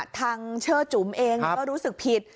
ทางเชื่อจุ๋มเองก็รู้สึกผิด